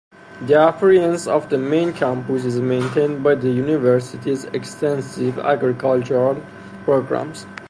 The appearance of the main campus is maintained by the university's extensive agricultural programs.